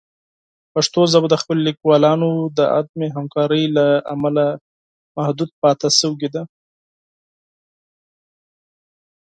پښتو ژبه د خپلو لیکوالانو د عدم همکارۍ له امله محدود پاتې شوې.